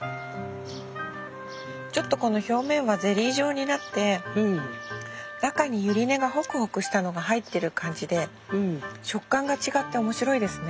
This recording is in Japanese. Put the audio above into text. ちょっとこの表面はゼリー状になって中にユリ根がホクホクしたのが入ってる感じで食感が違って面白いですね。